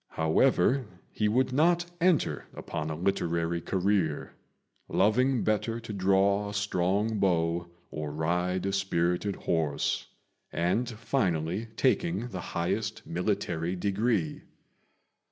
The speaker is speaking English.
However, he would not enter upon a literary career, loving better to draw a strong bow or ride a spirited horse, and finally taking the highest military degree.